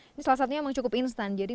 ini salah satunya memang cukup instan jadi